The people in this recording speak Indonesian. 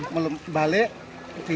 kembali di cilengsi